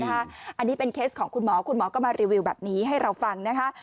อันนี้เป็นเคสของคุณหมอคุณหมอก็มารีวิวแบบนี้ให้เราฟังนะคะ